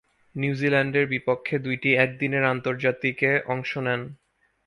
নিউজিল্যান্ডের বিপক্ষে দুইটি একদিনের আন্তর্জাতিকে অংশ নেন।